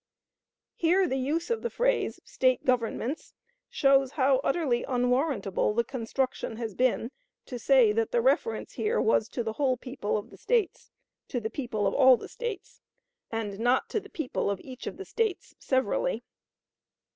Here the use of the phrase "State governments" shows how utterly unwarrantable the construction has been, to say that the reference here was to the whole people of the States to the people of all the States and not to the people of each of the States severally.